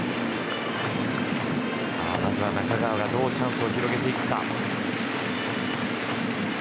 まず中川がどうチャンスを広げるか。